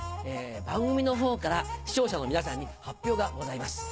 番組のほうから視聴者の皆さんに発表がございます。